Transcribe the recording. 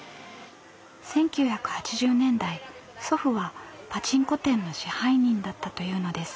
１９８０年代祖父はパチンコ店の支配人だったというのです。